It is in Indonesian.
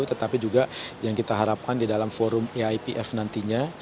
tetapi juga yang kita harapkan di dalam forum iipf nantinya